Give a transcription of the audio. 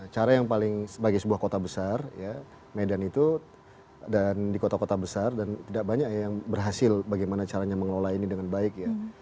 cara yang paling sebagai sebuah kota besar ya medan itu dan di kota kota besar dan tidak banyak yang berhasil bagaimana caranya mengelola ini dengan baik ya